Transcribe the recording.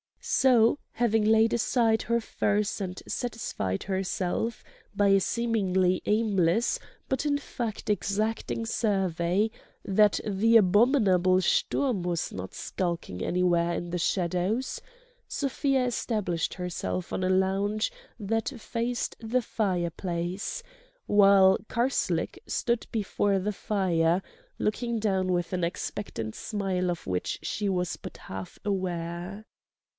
So, having laid aside her furs and satisfied herself, by a seemingly aimless but in fact exacting survey, that the abominable Sturm was not skulking anywhere in the shadows, Sofia established herself on a lounge that faced the fireplace, while Karslake stood before the fire, looking down with an expectant smile of which she was but half aware.